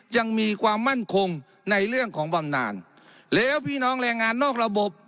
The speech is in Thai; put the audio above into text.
ยังมีความมั่นคงในเรื่องของบำนานแล้วพี่น้องแรงงานนอกระบบ